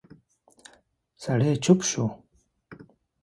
سړی چوپ شو.